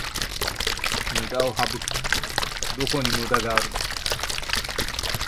ムダを省くって、どこにムダがあるのさ